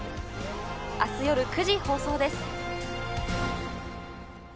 あす夜９時放送です。